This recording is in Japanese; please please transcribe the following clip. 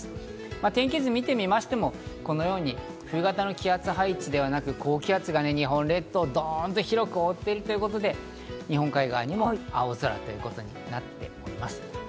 天気図を見てみましても、このように冬型の気圧配置ではなく、高気圧が日本列島をドンっと広く覆っている、ということで、日本海側にも青空ということになっています。